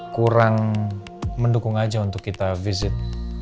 kurang mendukung aja untuk kita visit